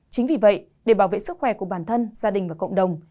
chính vì vậy để bảo vệ sức khỏe của bản thân gia đình và cộng đồng